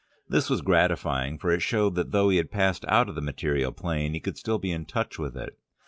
This was gratifying, for it showed that though he had passed out of the material plane, he could still be in touch with it.